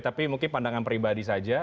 tapi mungkin pandangan pribadi saja